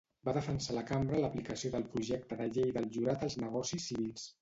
Va defensar a la Cambra l'aplicació del projecte de Llei del Jurat als negocis civils.